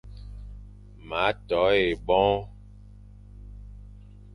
Ma to yʼaboñ,